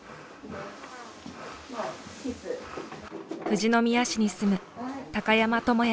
富士宮市に住む高山朋也さん